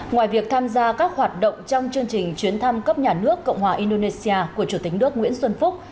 ngoài việc tham gia các hoạt động trong chương trình chuyến thăm cấp nhà nước cộng hòa indonesia của chủ tịch nước nguyễn xuân phúc